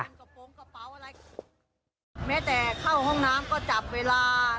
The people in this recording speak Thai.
แม้แต่เข้าห้องน้ำก็จับเวลา